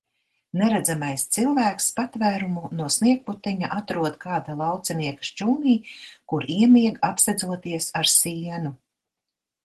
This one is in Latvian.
Neredzamais cilvēks patvērumu no sniegputeņa atrod kāda laucinieka šķūnī, kur iemieg, apsedzoties ar sienu.